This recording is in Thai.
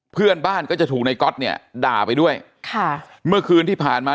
เพื่อนบ้านก็จะถูกในก๊อตเนี่ยด่าไปด้วยค่ะเมื่อคืนที่ผ่านมา